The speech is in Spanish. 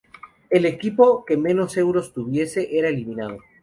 El equipo que menos euros tuviese era eliminado.